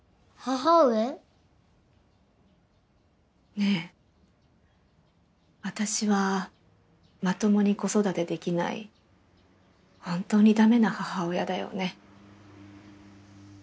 ねえ私はまともに子育てできない本当に駄目な母親だよね。